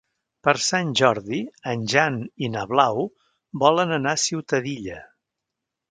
Per Sant Jordi en Jan i na Blau volen anar a Ciutadilla.